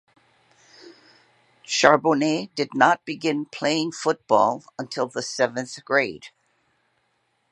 Charbonnet did not begin playing football until the seventh grade.